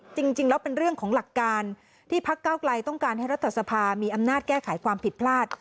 จริงแล้วเป็นเรื่องของหลักการที่พักเก้าไกลต้องการให้รัฐสภามีอำนาจแก้ไขความผิดพลาด